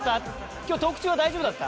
今日トーク中は大丈夫だった？